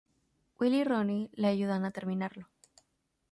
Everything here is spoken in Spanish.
Will y Ronnie le ayudan a terminarlo.